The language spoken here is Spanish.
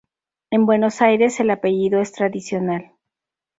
En Buenos Aires el apellido es tradicional.